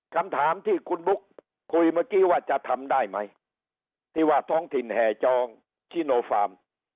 คำถามที่คุณบุ๊กคุยเมื่อกี้ว่าจะทำได้ไหมที่ว่าท้องถิ่นแห่จองชิโนฟาร์ม